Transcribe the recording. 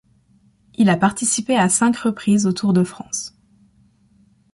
Il a participé à cinq reprises au Tour de France.